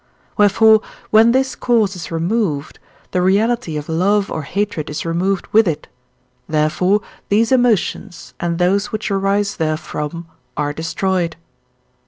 wherefore, when this cause is removed, the reality of love or hatred is removed with it; therefore these emotions and those which arise therefrom are destroyed.